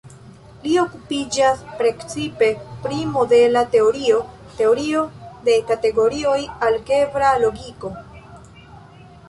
Li okupiĝas precipe pri modela teorio, teorio de kategorioj, algebra logiko.